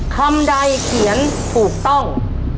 คำใดเขียนถูกต้อง